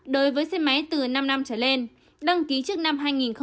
đối với xe máy từ năm năm trở lên đăng ký trước năm hai nghìn một mươi